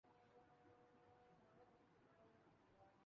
گاڑی کو چلنے کا حکم جاری کر دیا